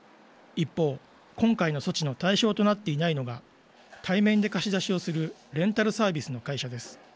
一方、今回の措置の対象となっていないのが、対面で貸し出しをするレンタルサービスの会社です。